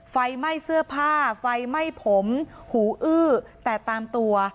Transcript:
ไฟไหม้เสื้อผ้าไฟไหม้ผมหูอื้อแต่ตามตัว